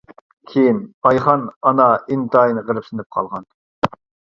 كېيىن، ئايخان ئانا ئىنتايىن غېرىبسىنىپ قالغان.